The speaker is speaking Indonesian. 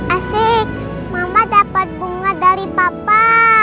asik mama dapat bunga dari papa